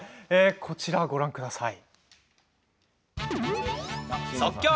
こちらをご覧ください。